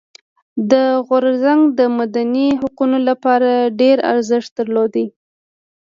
دا غورځنګ د مدني حقونو لپاره ډېر ارزښت درلود.